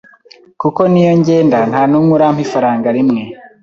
kuko niyo ngenda ntanumwe urampa ifaranga rimwe